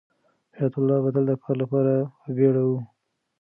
حیات الله به تل د کار لپاره په بیړه و.